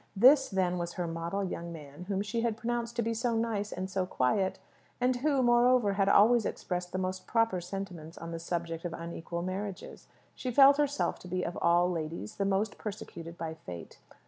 This, then, was her model young man, whom she had pronounced to be so "nice" and so "quiet;" and who, moreover, had always expressed the most proper sentiments on the subject of unequal marriages! She felt herself to be of all ladies the most persecuted by fate.